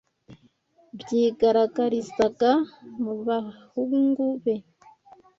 byigaragarizaga mu bahungu be